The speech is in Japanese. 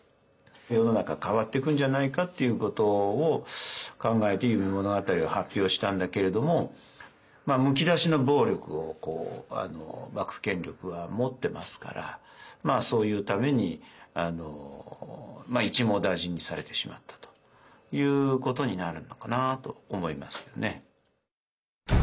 世の中変わっていくんじゃないかっていうことを考えて「夢物語」を発表したんだけれどもむき出しの暴力を幕府権力は持ってますからそういうために一網打尽にされてしまったということになるのかなと思いますよね。